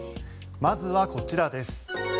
まずはこちらです。